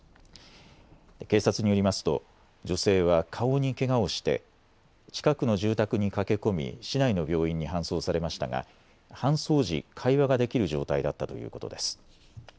警察によりますと女性は顔にけがをして近くの住宅に駆け込み市内の病院に搬送されましたが搬送時、会話ができる状態だったということです。